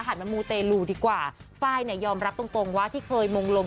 หัดมะมูเตรลูดีกว่าป้ายยอมรับตรงว่าที่เคยมงลง